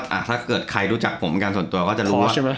ถ้าเกิดใครรู้จักผมกันส่วนตัวก็จะรู้ว่า